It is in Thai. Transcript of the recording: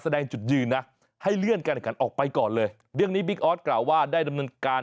แสดงจุดยืนนะให้เลื่อนการแข่งขันออกไปก่อนเลยเรื่องนี้บิ๊กออสกล่าวว่าได้ดำเนินการ